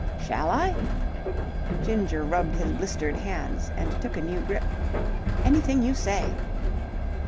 "Shall I?" Ginger rubbed his blistered hands and took a new grip. "Anything you say."